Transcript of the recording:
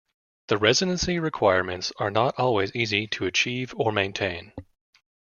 The residency requirements are not always easy to achieve or maintain.